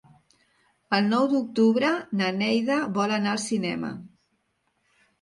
El nou d'octubre na Neida vol anar al cinema.